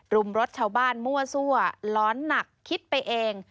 รุมรถชาวบ้านมั่วซั่วร้อนหนักคิดไปเอง